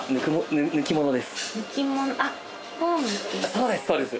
そうですそうです。